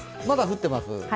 まだ降っています。